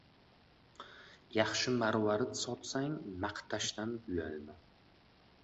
• Yaxshi marvarid sotsang, maqtashdan uyalma.